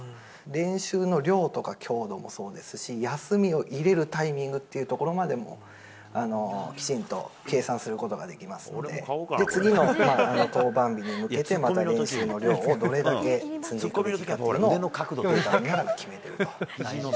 練習の量とか強度もそうですし、休みを入れるタイミングというところまでも、きちんと計算することができますので、次の登板日に向けて、また練習の量をどれだけ積んでいくべきかっていうのを、データを見ながら決めていると。